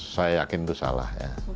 saya yakin itu salah